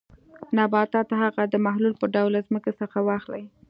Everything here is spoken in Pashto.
نباتات هغه د محلول په ډول له ځمکې څخه واخلي.